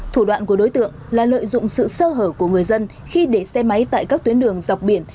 thủ đoạn của đối tượng là lợi dụng sự sơ hở của người dân khi để xe máy tại các tuyến đường dọc biển